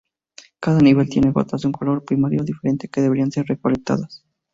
Cada nivel tiene gotas de un color primario diferente que deberán ser recolectadas.